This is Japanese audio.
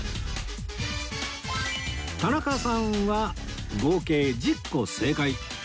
田中さんは合計１０個正解